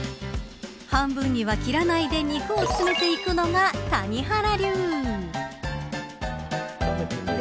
半分には切らないで肉を詰めていくのが谷原流。